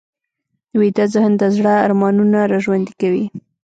ویده ذهن د زړه ارمانونه راژوندي کوي